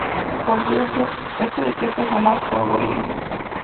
Por cierto este decreto jamás fue abolido.